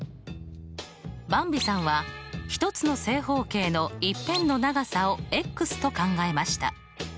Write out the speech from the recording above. ばんびさんは１つの正方形の１辺の長さをと考えました。